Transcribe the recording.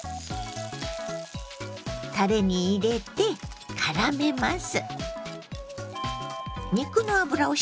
たれに入れてからめます。